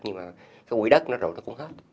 nhưng mà cái quỹ đất nó rồi nó cũng không được